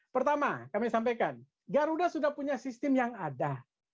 pertama kami sampaikan garuda sudah punya sistem yang ada